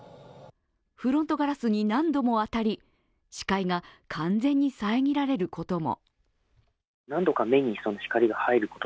フロントガラスに何度も当たり、視界が完全に遮られることも。